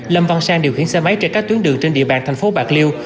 lâm văn sang điều khiển xe máy trên các tuyến đường trên địa bàn thành phố bạc liêu